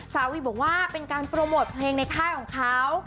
สาวอีกบอกว่าเป็นการโปรโมทเพลงในค่ายของเขา